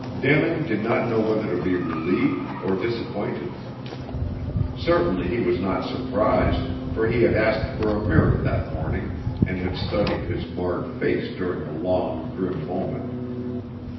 Denin did not know whether to be relieved or disappointed. Certainly he was not surprised, for he had asked for a mirror that morning, and had studied his marred face during a long, grim moment.